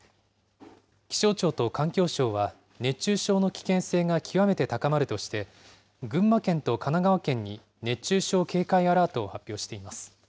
気象庁と環境省は、熱中症の危険性が極めて高まるとして、群馬県と神奈川県に熱中症警戒アラートを発表しています。